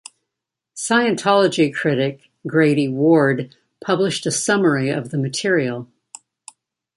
Scientology critic Grady Ward published a summary of the material.